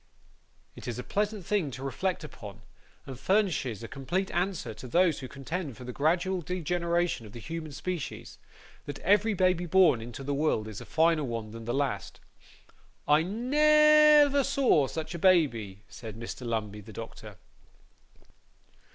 It is a pleasant thing to reflect upon, and furnishes a complete answer to those who contend for the gradual degeneration of the human species, that every baby born into the world is a finer one than the last. 'I ne ver saw such a baby,' said Mr. Lumbey, the doctor.